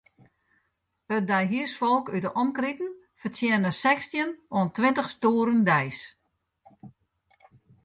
It deihiersfolk út 'e omkriten fertsjinne sechstjin oant tweintich stoeren deis.